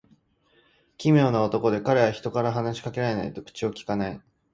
奇妙な男で、彼は人から話し掛けられないと口をきかない。